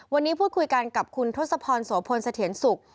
วันนี้พูดคุยกันกับคุณทศพรสวพลสเถียนศุกร์